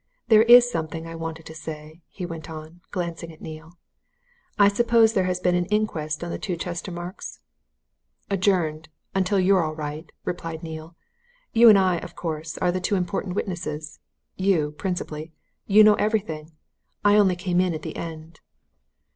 "There is something I wanted to say," he went on, glancing at Neale. "I suppose there has been an inquest on the two Chestermarkes?" "Adjourned until you're all right," replied Neale. "You and I, of course, are the two important witnesses. You principally. You know everything I only came in at the end."